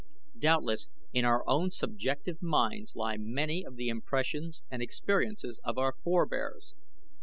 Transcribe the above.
Doubtless in our own subjective minds lie many of the impressions and experiences of our forebears.